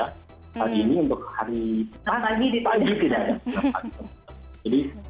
hari ini untuk hari di pagi tidak ada